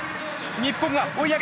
日本が追い上げる！